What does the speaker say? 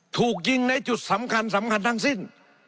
ถูกยิงในจุดสำคัญสำคัญทั้งสิ้น